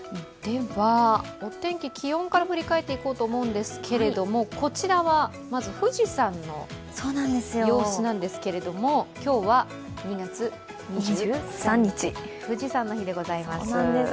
お天気、気温から振り返っていこうと思うんですけれども、こちらは、まず富士山の様子なんですけれども、今日は２月２３日、富士山の日でございます。